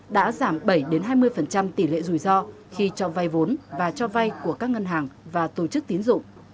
đã giảm bảy hai mươi tỷ lệ rủi ro khi cho vay vốn và cho vay của các ngân hàng và tổ chức tín dụng